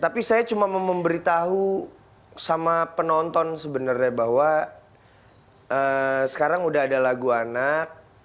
tapi saya cuma mau memberitahu sama penonton sebenarnya bahwa sekarang udah ada lagu anak